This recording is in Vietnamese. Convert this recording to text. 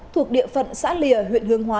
thuộc địa phận xã lìa huyện hướng hóa